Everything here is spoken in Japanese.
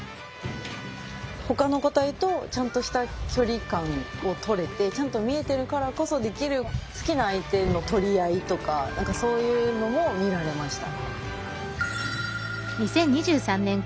ほかの個体とちゃんとした距離感をとれてちゃんと見えてるからこそできる好きな相手の取り合いとか何かそういうのも見られました。